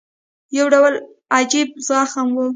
یو ډول عجیب زغم وو.